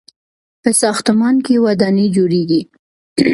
په ساختمان کې ودانۍ جوړیږي.